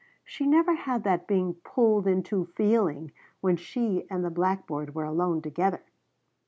She never had that being pulled in two feeling when she and the blackboard were alone together.